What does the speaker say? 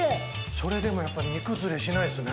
それでも煮崩れしないですね。